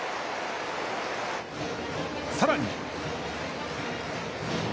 さらに。